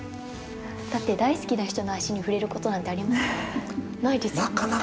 だって大好きな人の足に触れることなんてありますか？